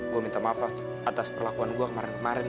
gue minta maaf atas perlakuan gue kemarin kemarin